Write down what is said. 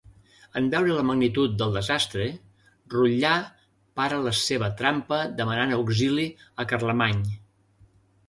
En veure la magnitud del desastre, Rotllà para la seva trampa demanant auxili a Carlemany.